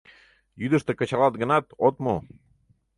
Йӱдыштӧ кычалат гынат, от му.